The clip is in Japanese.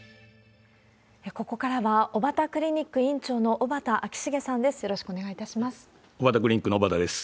ここからは、小畠クリニック院長の小畠昭重さんです。